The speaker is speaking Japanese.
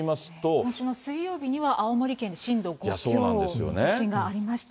今週の水曜日には青森県、震度５強の地震がありました。